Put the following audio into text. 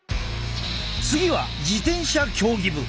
次は自転車競技部。